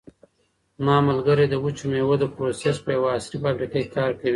زما ملګری د وچو مېوو د پروسس په یوه عصري فابریکه کې کار کوي.